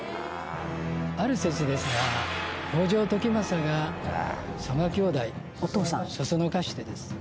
ある説ですが北条時政が曽我兄弟をそそのかしてですね